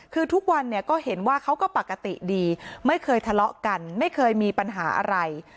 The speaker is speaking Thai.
คือทุกวันเนี่ยก็เห็นว่าเขาก็ปกติดีไม่เคยทะเลาะกันไม่เคยมีปัญหาอะไร